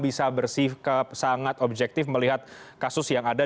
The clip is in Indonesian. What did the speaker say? bisa bersikap sangat objektif melihat kasus yang ada